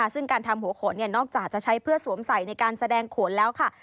ซึ่งการทำหัวโขนนอกจากจะใช้เพื่อสวมใส่ในการแสดงโขนแล้วค่ะ